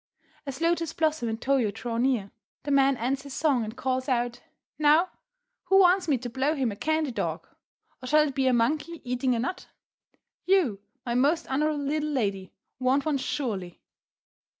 As Lotus Blossom and Toyo draw near, the man ends his song and calls out, "Now who wants me to blow him a candy dog? Or shall it be a monkey eating a nut? You, my most honoured little lady, want one surely."